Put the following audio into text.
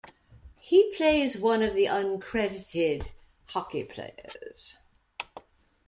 He plays one of the uncredited hockey players.